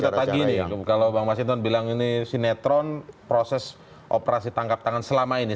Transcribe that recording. kita tagih nih kalau bang mas hinton bilang ini sinetron proses operasi tangkap tangan selama ini